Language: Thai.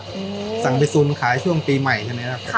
อืมสั่งไปซูมขายช่วงปีใหม่ใช่ไหมครับ